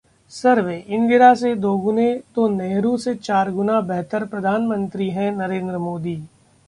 सर्वे: इंदिरा से दोगुने, तो नेहरू से चार गुना बेहतर प्रधानमंत्री हैं नरेंद्र मोदी